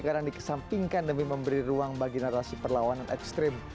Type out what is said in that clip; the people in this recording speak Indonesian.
sekarang dikesampingkan demi memberi ruang bagi narasi perlawanan ekstrim